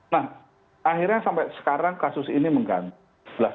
nah akhirnya sampai sekarang kasus ini mengganti